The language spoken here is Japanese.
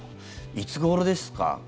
いつごろですか？